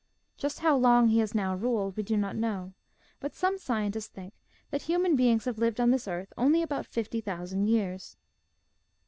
Just how long he has now ruled we do not know, but some scientists think that human beings have lived on this earth only about fifty thousand years.